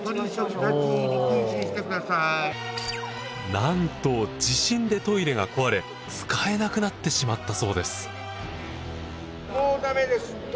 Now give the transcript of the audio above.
なんと地震でトイレが壊れ使えなくなってしまったそうです。